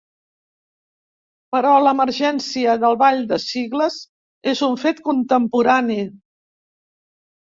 Però l'emergència del ball de sigles és un fet contemporani.